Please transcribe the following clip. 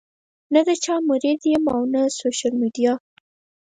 نۀ د چا مريد يم او نۀ سوشل ميډيا